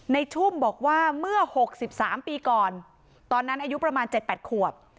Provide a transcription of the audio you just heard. ในชุมบอกว่าเมื่อหกสิบสามปีก่อนตอนนั้นอายุประมาณเจ็ดแปดขวบ